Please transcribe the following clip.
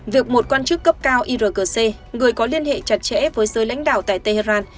việc một quan chức cấp cao irgc người có liên hệ chặt chẽ với giới lãnh đạo tại tehran